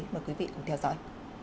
mời quý vị cùng theo dõi